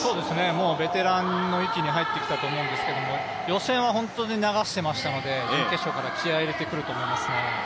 もうベテランの域に入ってきたと思うんですけど、予選は本当に流していましたので準決勝から気合いを入れてくると思いますね。